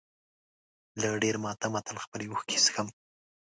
له ډېر ماتمه تل خپلې اوښکې څښم.